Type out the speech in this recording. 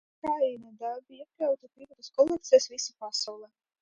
Karinē darbi iekļauti privātās kolekcijās visā pasaulē.